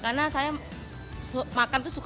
karena saya makan itu suka